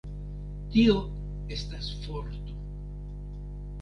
Tio estas forto.